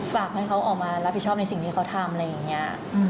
ฝากให้เขาออกมารับผิดชอบในสิ่งที่เขาทำอะไรอย่างนี้